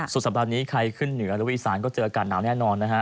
สุดสัปดาห์นี้ใครขึ้นเหนือหรือว่าอีสานก็เจออากาศหนาวแน่นอนนะฮะ